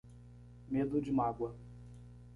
Medo de mágoa